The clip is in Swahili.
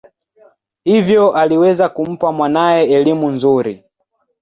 Hivyo aliweza kumpa mwanawe elimu nzuri.